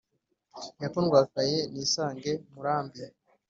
yakundwakaye nisange murambi,